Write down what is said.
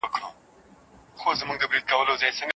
کله باید د درملني ترڅنګ ذهني تمرینونه هم وکړو؟